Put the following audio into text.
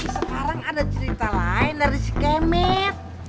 tapi sekarang ada cerita lain dari si kemet